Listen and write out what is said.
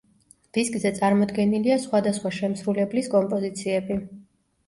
დისკზე წარმოდგენილია სხვადასხვა შემსრულებლის კომპოზიციები.